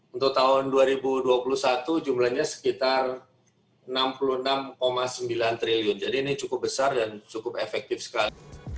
untuk tahun dua ribu dua puluh satu jumlahnya sekitar rp enam puluh enam sembilan triliun jadi ini cukup besar dan cukup efektif sekali